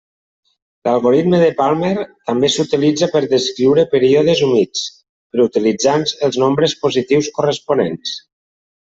L'Algoritme de Palmer també s'utilitza per descriure períodes humits, però utilitzant els nombres positius corresponents.